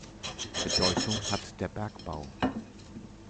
Bedeutung hat der Bergbau.